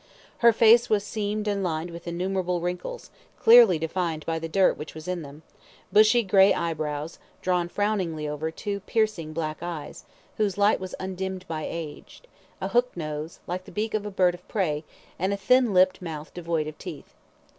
Her face was seamed and lined with innumerable wrinkles, clearly defined by the dirt which was in them; bushy grey eyebrows, drawn frowningly over two piercing black eyes, whose light was undimmed by age; a hook nose, like the beak of a bird of prey, and a thin lipped mouth devoid of teeth.